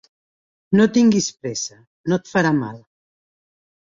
No tinguis pressa, no et farà mal.